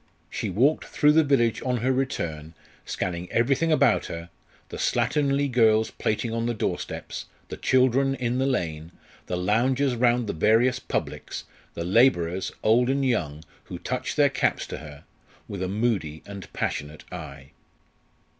She walked through the village on her return scanning everything about her the slatternly girls plaiting on the doorsteps, the children in the lane, the loungers round the various "publics," the labourers, old and young, who touched their caps to her with a moody and passionate eye.